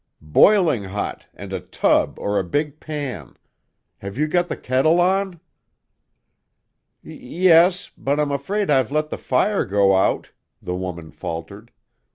"Boiling hot, and a tub or a big pan. Have you got the kettle on?" "Y yes, but I'm afraid I've let the fire go out," the woman faltered.